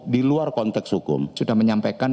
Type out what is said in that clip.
di luar konteks hukum sudah menyampaikan